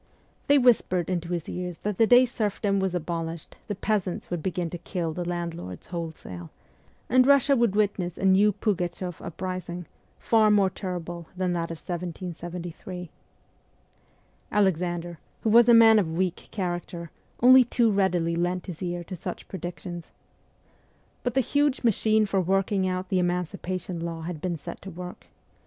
They whispered into his ears that the day serfdom was abolished the peasants would begin to kill the landlords wholesale, and Russia would witness a new Pugachoff uprising, far more terrible than that of 1773. Alexander, who was a man of weak character, only too readily lent his ear to such predictions. But the huge machine for working out the emancipation law had been set to work.